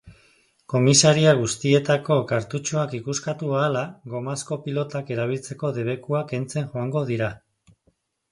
Komisaria guztietako kartutxoak ikuskatu ahala, gomazko pilotak erabiltzeko debekua kentzen joango dira.